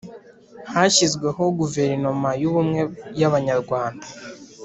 hashyizweho Guverinoma y’Ubumwe y’Abanyarwanda,